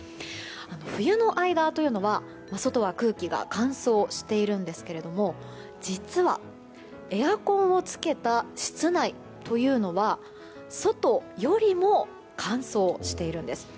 冬の間というのは外は空気が乾燥しているんですけれども実は、エアコンをつけた室内というのは外よりも乾燥しているんです。